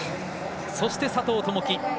そして佐藤友祈。